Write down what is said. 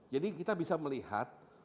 jadi kita bisa melihat